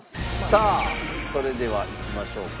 さあそれではいきましょうか。